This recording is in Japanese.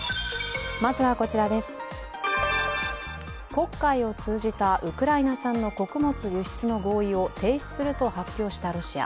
黒海を通じたウクライナ産の穀物輸出の合意を停止すると発表したロシア。